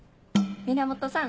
「源さん